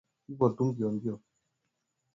Kya chini ya kitanda abakibebaki bwima